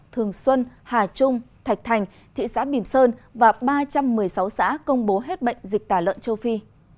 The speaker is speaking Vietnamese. thường xuân hà trung thạch thành thị xã bìm sơn và ba trăm một mươi sáu xã công bố hết bệnh dịch tả lợn châu phi